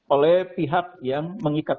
oleh pihak yang mengikat